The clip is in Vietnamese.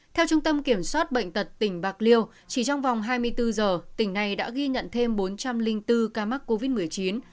theo trung tâm kiểm soát bệnh tật tỉnh bạc liêu chỉ trong vòng hai mươi bốn giờ tỉnh này đã ghi nhận thêm bốn trăm linh bốn ca mắc covid một mươi chín